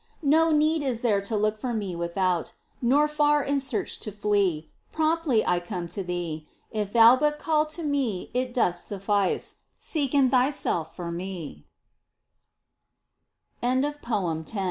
No need is there to look for Me without. Nor far in search to flee ; Promptly I come to thee ; If thou but call to Me it doth suffice — Seek in thyself for